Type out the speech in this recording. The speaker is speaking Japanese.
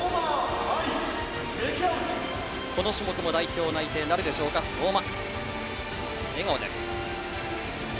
この種目も代表内定なるでしょうか、相馬。